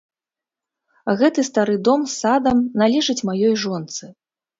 Гэты стары дом з садам належыць маёй жонцы.